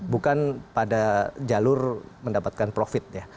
bukan pada jalur mendapatkan profit ya